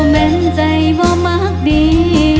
เม้นใจบ่มากดี